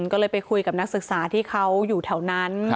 ก็เลยไปคุยกับนักศึกษาที่เขาอยู่แถวนั้น